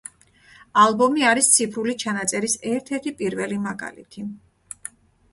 ალბომი არის ციფრული ჩანაწერის ერთ-ერთი პირველი მაგალითი.